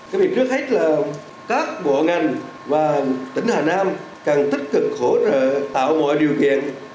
cái việc trước hết là các bộ ngành và tỉnh hà nam cần tích cực hỗ trợ tạo mọi điều kiện